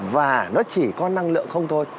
và nó chỉ có năng lượng không thôi